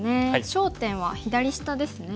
焦点は左下ですね。